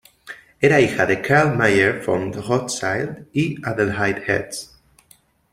Era hija de Carl Mayer von Rothschild y Adelheid Herz.